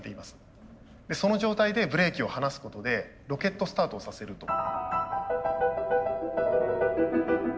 その状態でブレーキを放すことでロケットスタートをさせると。